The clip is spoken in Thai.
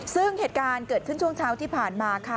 ซึ่งเหตุการณ์เกิดขึ้นช่วงเช้าที่ผ่านมาค่ะ